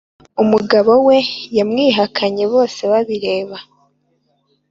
Umugabowe yamwihakanye bose babireba